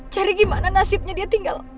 cari gimana nasibnya dia tinggal